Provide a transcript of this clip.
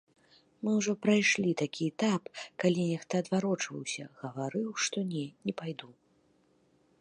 Мы ўжо прайшлі такі этап, калі нехта адварочваўся, гаварыў, што не, не пайду.